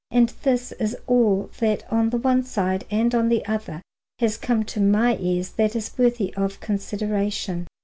And this is all that on the one side and on the other has come to my ears that is worthy of consideration.